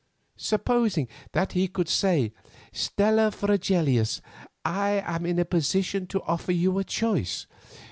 Supposing that he could say, 'Stella Fregelius, I am in a position to offer you a choice.